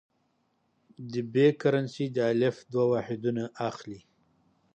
د ب کرنسي د الف دوه واحدونه اخلي.